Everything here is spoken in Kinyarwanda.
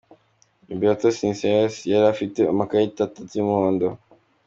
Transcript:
Huberto Sinceres yari afite amakarita atatu y’umuhondo.